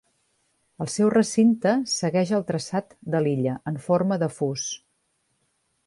El seu recinte segueix el traçat de l'illa, en forma de fus.